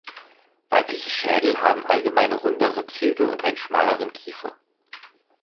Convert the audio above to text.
Weibliche Schädel haben allgemein rundere Züge und einen schmaleren Kiefer.